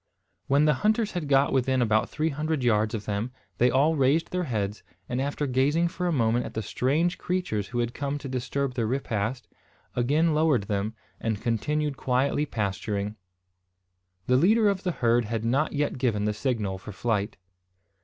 When the hunters had got within about three hundred yards of them, they all raised their heads, and, after gazing for a moment at the strange creatures who had come to disturb their repast, again lowered them, and continued quietly pasturing. The leader of the herd had not yet given the signal for flight.